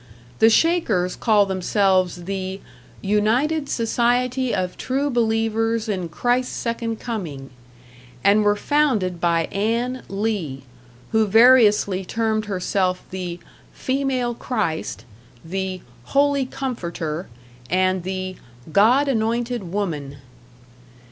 The Shakers call themselves the "United Society of True Believers in Christ's Second Coming," and were founded by Ann Lee, who variously termed herself the "Female Christ", the "Holy Comforter", and the "God anointed Woman".